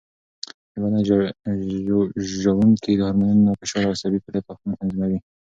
د بدن ژوڼکې د هارمونونو، فشار او عصبي فعالیت وختونه تنظیموي.